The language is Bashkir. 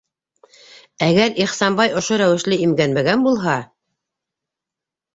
Әгәр Ихсанбай ошо рәүешле имгәнмәгән булһа...